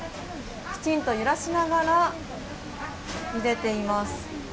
きちんと揺らしながらゆでています。